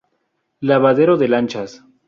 Lavadero de lanchas.